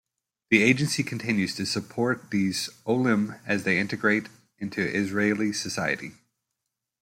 The Agency continues to support these "olim" as they integrate into Israeli society.